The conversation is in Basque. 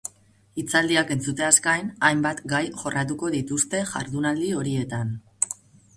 Hitzaldiak entzuteaz gain, hainbat jai jorratuko dituzte jardunaldi horietan.